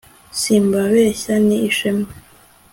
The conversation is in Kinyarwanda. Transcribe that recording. simbabeshya ni ishema